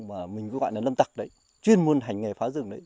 mà mình cứ gọi là lâm tặc đấy chuyên môn hành nghề phá rừng đấy